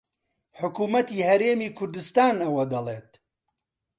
حکوومەتی هەرێمی کوردستان ئەوە دەڵێت